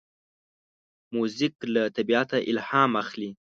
موزیک له طبیعته الهام اخلي.